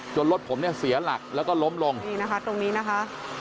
รถผมเนี่ยเสียหลักแล้วก็ล้มลงนี่นะคะตรงนี้นะคะ